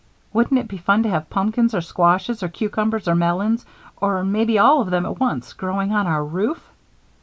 Wouldn't it be fun to have pumpkins, or squashes, or cucumbers, or melons, or maybe all of them at once, growing on our roof?"